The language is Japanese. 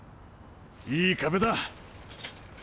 いい壁だ！